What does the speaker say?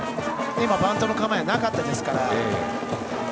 今、バントの構えはなかったですから。